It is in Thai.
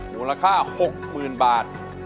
มูลค่า๖๐๐๐บาท